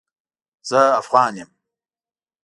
زه افغان يم